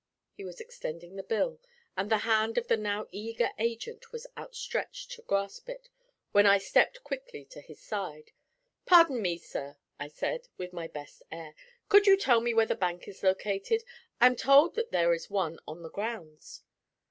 He was extending the bill, and the hand of the now eager agent was outstretched to grasp it, when I stepped quickly to his side. 'Pardon me, sir,' I said, with my best air. 'Could you tell me where the bank is located? I am told that there is one on the grounds.'